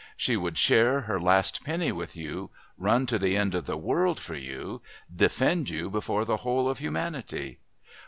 She would share her last penny with you, run to the end of the world for you, defend you before the whole of humanity.